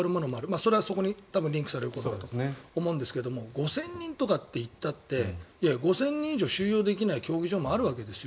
それは、そこにリンクされるものだと思いますが５０００人とかって言ったって５０００人以上収容できない競技場もあるわけですよ。